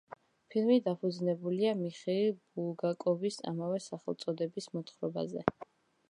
ფილმი დაფუძნებულია მიხეილ ბულგაკოვის ამავე სახელწოდების მოთხრობაზე.